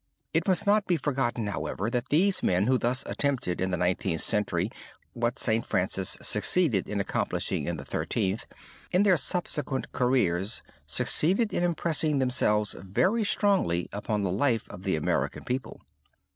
It must not be forgotten, however, that these men who thus attempted in the Nineteenth Century what St. Francis succeeded in accomplishing in the Thirteenth, in their subsequent careers succeeded in impressing themselves very strongly upon the life of the American people.